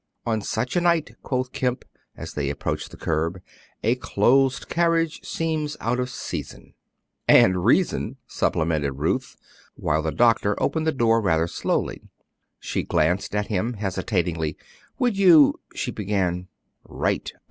"'On such a night,'" quoth Kemp, as they approached the curb, "a closed carriage seems out of season." "And reason," supplemented Ruth, while the doctor opened the door rather slowly. She glanced at him hesitatingly. "Would you " she began. "Right!